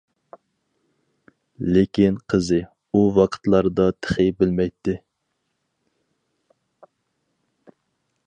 لېكىن قىزى، ئۇ ۋاقىتلاردا تېخى بىلمەيتتى.